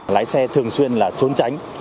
lái xe thường xuyên là trốn tránh